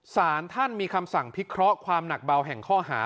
สารท่านมีคำสั่งพิเคราะห์ความหนักเบาแห่งข้อหา